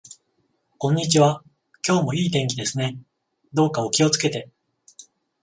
こんにちは。今日も良い天気ですね。どうかお気をつけて。